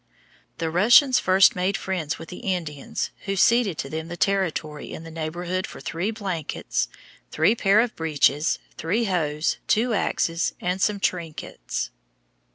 The Russians first made friends with the Indians, who ceded to them the territory in the neighborhood for three blankets, three pair of breeches, three hoes, two axes, and some trinkets.